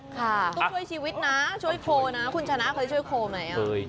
ต้องช่วยชีวิตนะช่วยโคลนะคุณชนะเคยช่วยโคลไหม